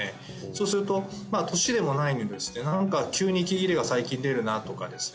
そうするとまあ年でもないのにですね何か急に息切れが最近出るなとかですね